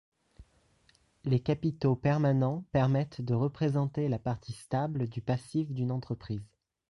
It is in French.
Les capitaux permanents permettent de représenter la partie stable du passif d'une entreprise.